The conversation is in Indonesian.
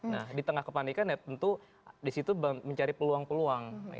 nah di tengah kepanikan ya tentu disitu mencari peluang peluang